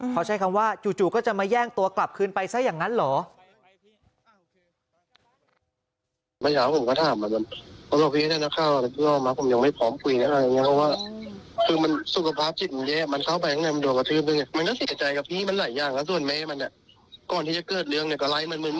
เขาใช้คำว่าจู่ก็จะมาแย่งตัวกลับคืนไปซะอย่างนั้นเหรอ